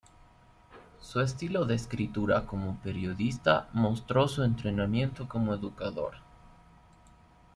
Su estilo de escritura como periodista mostró su entrenamiento como educadora.